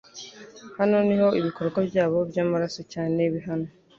Hano niho ibikorwa byabo byamaraso cyane bihanwa